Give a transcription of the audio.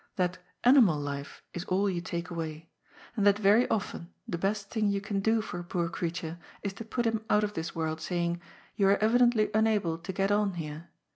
That animal life is all you take away ; and that very often the best thing you can do for a poor creature is to put him out of this world, saying, * You are evidently unable to get on here.